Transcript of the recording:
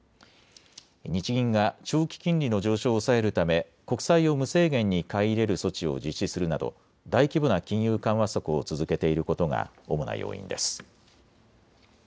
日銀が長期金利の上昇を抑えるため国債を無制限に買い入れる措置を実施するなど大規模な金融緩和策を続けていることが主な要因です。